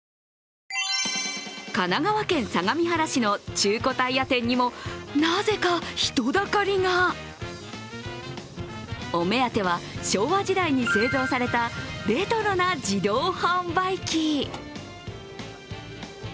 神奈川県相模原市の中古タイヤ店にもなぜか人だかりがお目当ては、昭和時代に製造されたレトロな自動販売機。